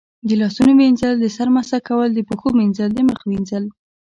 د لاسونو وینځل، د سر مسح کول، د پښو مینځل، د مخ وینځل